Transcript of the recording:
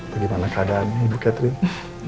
bagaimana keadaannya ibu catherine